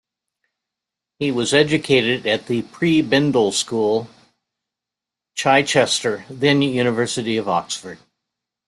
He was educated at The Prebendal School, Chichester, then University of Oxford.